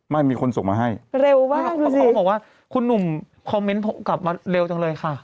ไม่มีคนส่งมาให้เร็วมากเพราะเขาบอกว่าคุณหนุ่มคอมเมนต์กลับมาเร็วจังเลยค่ะ